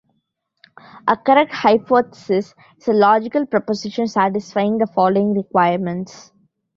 A "correct hypothesis" is a logic proposition satisfying the following requirements.